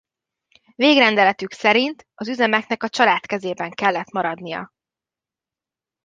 Végrendeletük szerint az üzemeknek a család kezében kellett maradnia.